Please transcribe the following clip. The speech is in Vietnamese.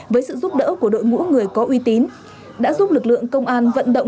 với sự giúp đỡ của đội ngũ người có uy tín đã giúp lực lượng công an vận động